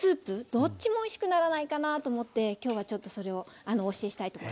どっちもおいしくならないかなと思って今日はちょっとそれをお教えしたいと思います。